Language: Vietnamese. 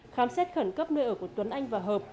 khám xét khẩn cấp nơi ở của tuấn anh và hợp